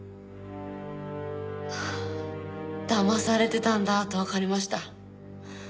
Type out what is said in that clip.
ああだまされてたんだとわかりました。